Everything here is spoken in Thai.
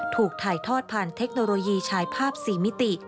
ถูกถ่ายทอดผ่านเทคโนโลยีฉายภาพ๔มิติ